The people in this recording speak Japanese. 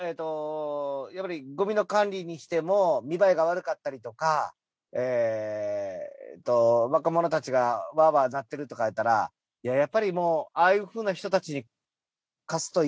やっぱりごみの管理にしても見栄えが悪かったりとかえーと若者たちがワーワーなってるとかやったらやっぱり「もうああいうふうな人たちに貸すといかんぞ」